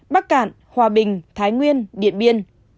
bắc cạn hòa bình thái nguyên điện biên